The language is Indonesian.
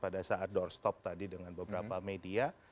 pada saat doorstop tadi dengan beberapa media